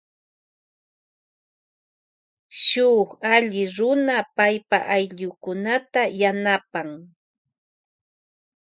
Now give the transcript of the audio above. Shuk alli runa aida paipa ayllukunata.